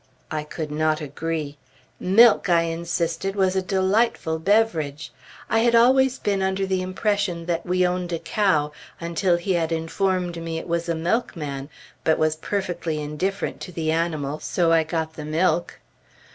I could not agree. "Milk" I insisted was a delightful beverage. I had always been under the impression that we owned a cow, until he had informed me it was a milkman, but was perfectly indifferent to the animal so I got the milk.